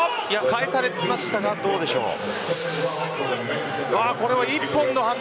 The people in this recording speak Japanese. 返されましたが、どうですか。